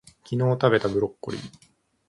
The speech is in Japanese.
昨日たべたブロッコリー